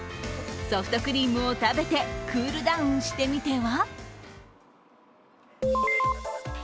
ソフトクリームを食べてクールダウンしてみては？